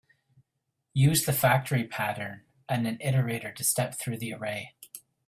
Use the factory pattern and an iterator to step through the array.